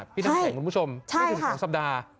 พี่นักแข่งคุณผู้ชมไม่ถึง๑๒สัปดาห์ใช่ค่ะ